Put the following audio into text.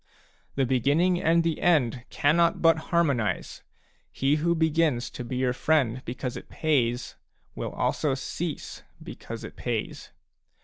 The beginning and the end cannot but harmonize. He who begins to be your friend because it pays will also cease because it pays.